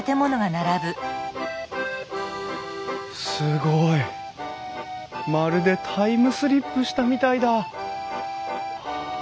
すごい！まるでタイムスリップしたみたいだ。